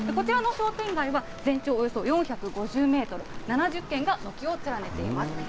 こちらの商店街は、全長およそ４５０メートル、７０軒が軒を連ねています。